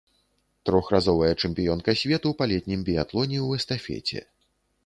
Трохразовая чэмпіёнка свету па летнім біятлоне ў эстафеце.